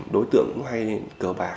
đối tượng cũng hay cờ bạc